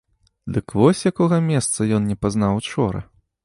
Дык вось якога месца ён не пазнаў учора!